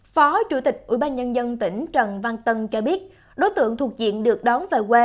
phó chủ tịch ủy ban nhân dân tỉnh trần văn tân cho biết đối tượng thuộc diện được đón về quê